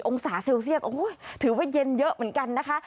องศาเซลเซียสถือว่าเย็นเยอะเหมือนกันนะคะ